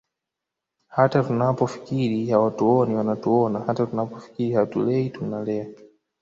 Hata tunapofikiri hawatuoni wanatuona hata tunapofikiri hatulei tunalea